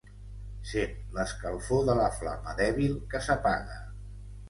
Sent l'escalfor de la flama dèbil que s'apaga.